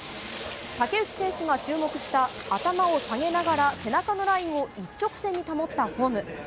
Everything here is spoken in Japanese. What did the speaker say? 竹内選手が注目した頭を下げながら背中のラインを一直線に保ったフォーム。